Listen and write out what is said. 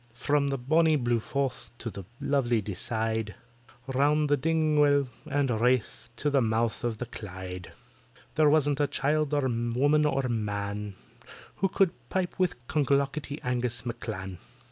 From the bonnie blue Forth to the lovely Deeside, Round by Dingwall and Wrath to the mouth of the Clyde, There wasn't a child or a woman or man Who could pipe with CLONGLOCKETTY ANGUS M'CLAN.